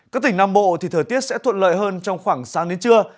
các tỉnh nam bộ thì thời tiết sẽ thuận lợi hơn trong khoảng sáng đến trưa